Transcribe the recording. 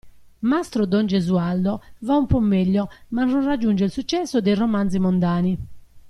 Mastro don Gesualdo và un po' meglio ma non raggiunge il successo dei romanzi mondani.